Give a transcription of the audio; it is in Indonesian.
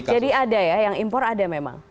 jadi ada ya yang impor ada memang